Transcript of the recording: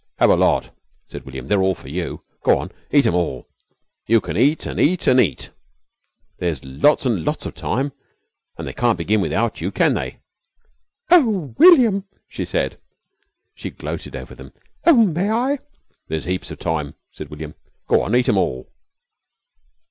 "Have a lot," said William. "They're all for you. Go on! Eat 'em all. You can eat an' eat an' eat. There's lots an' lots of time and they can't begin without you, can they?" "Oh, William!" she said. She gloated over them. "Oh, may I?" "There's heaps of time," said William. "Go on! Eat them all!"